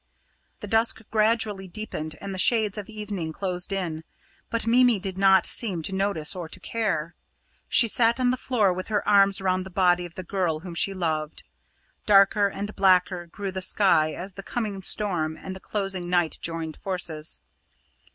The dusk gradually deepened and the shades of evening closed in, but Mimi did not seem to notice or to care. She sat on the floor with her arms round the body of the girl whom she loved. Darker and blacker grew the sky as the coming storm and the closing night joined forces.